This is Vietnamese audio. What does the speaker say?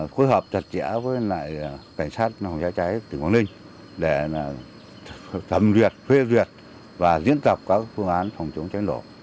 khối hợp chặt chẽ với lại cảnh sát phòng trái trái tỉnh quảng ninh để thẩm duyệt khuê duyệt và diễn tập các phương án phòng chống trái nổ